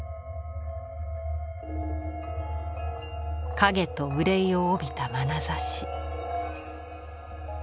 影と憂いを帯びたまなざし。